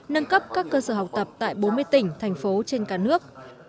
nâng cấp các cơ sở học tập tại bốn mươi tỉnh thành phố trên cả nước